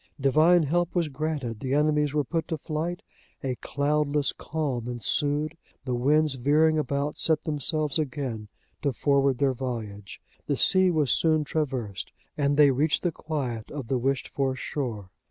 Divine help was granted, the enemies were put to flight, a cloudless calm ensued, the winds veering about set themselves again to forward their voyage, the sea was soon traversed, and they reached the quiet of the wished for shore.